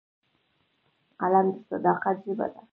قلم د صداقت ژبه ده